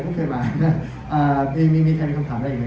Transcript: มองว่ามันก็พูดเหมือนพี่สิราธรรมเกินไปหรือ